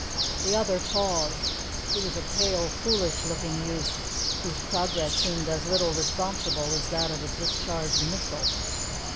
The other paused. He was a pale, foolish looking youth, whose progress seemed as little responsible as that of a discharged missile.